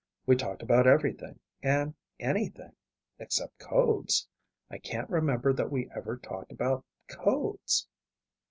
"We talked about everything and anything. Except codes. I can't remember that we ever talked about codes."